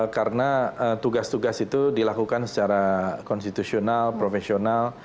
karena tugas tugas itu dilakukan secara konstitusional profesional